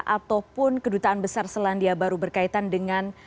ataupun kedutaan besar selandia baru berkaitan dengan